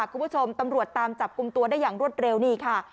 คุณผู้ชมตำรวจตามจับกลุ่มตัวได้อย่างรวดเร็วนี่ค่ะ